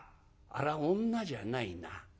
あれは女じゃないな。